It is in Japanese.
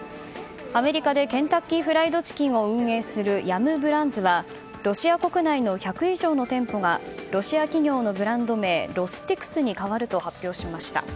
アメリカでケンタッキーフライドチキンを運営するヤム・ブランズはロシア国内の１００以上の店舗がロシア企業のブランド名ロスティクスに変わると発表しました。